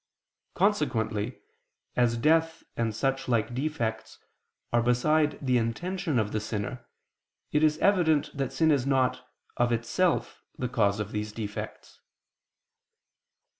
Consequently, as death and such like defects are beside the intention of the sinner, it is evident that sin is not, of itself, the cause of these defects.